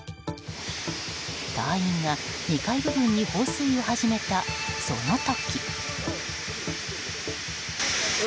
隊員が２階部分に放水を始めたその時。